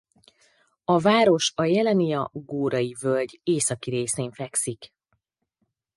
A város a jelenia-górai völgy északi részén fekszik.